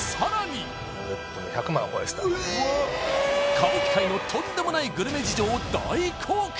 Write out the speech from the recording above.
歌舞伎界のとんでもないグルメ事情を大公開！